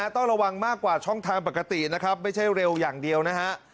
ต้องระวังมากกว่าช่องทางปกตินะครับไม่ใช่เร็วอย่างเดียวนะฮะ